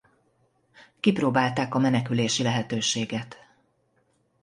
Kipróbálták a menekülési lehetőséget.